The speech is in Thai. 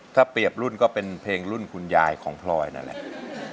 ถ้าเปรียบรุ่นก็เป็นเพลงรุ่นคุณยายของพลอยนั่นแหละ